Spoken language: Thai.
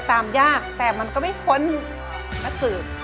ตามยากแต่มันก็ไม่พ้นนักสืบ